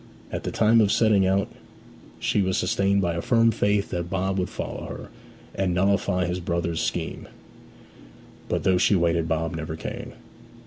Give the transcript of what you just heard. At the time of setting out she was sustained by a firm faith that Bob would follow her, and nullify his brother's scheme; but though she waited Bob never came.